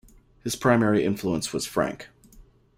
His primary influence was Franck.